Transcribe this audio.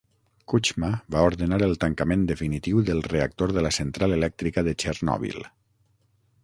Kuchma va ordenar el tancament definitiu del reactor de la central elèctrica de Txernòbil.